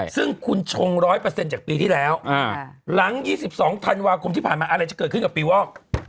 ซึ่งคุณชง๑๐๐จากปีที่แล้วหลัง๒๒ธันวาคมที่ผ่านมาอะไรจะเกิดขึ้นกับปีวอก